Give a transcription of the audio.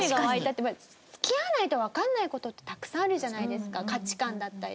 付き合わないとわかんない事ってたくさんあるじゃないですか価値観だったりとか。